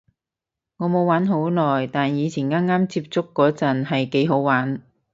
我冇玩好耐，但以前啱啱接觸嗰陣係幾好玩